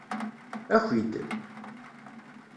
Aki-d!